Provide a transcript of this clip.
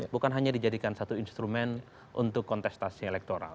bukan hanya dijadikan satu instrumen untuk kontestasi elektoral